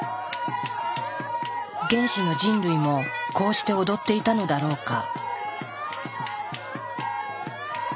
原始の人類もこうして踊っていたのだろうか。